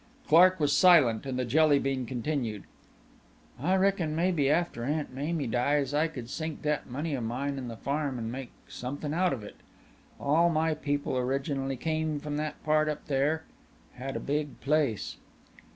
Clark was silent and the Jelly bean continued: "I reckin maybe after Aunt Mamie dies I could sink that money of mine in the farm and make somethin' out of it. All my people originally came from that part up there. Had a big place."